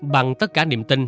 bằng tất cả niềm tin